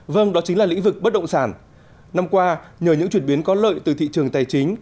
vâng đó chính là lĩnh vực bất động sản năm qua nhờ những chuyển biến có lợi từ thị trường tài chính